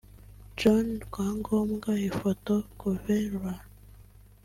John Rwangombwa (Ifoto/GovRw)